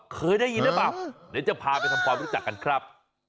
เคยได้ยินหรือเปล่าเดี๋ยวจะพาไปทำความรู้จักกันครับ